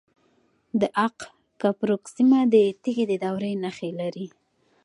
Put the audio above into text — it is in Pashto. د اق کپروک سیمه د تیږې د دورې نښې لري